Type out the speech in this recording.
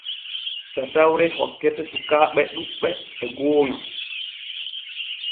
Tatawre hokkete sukaaɓe ɗuuɓɓe e gooŋa.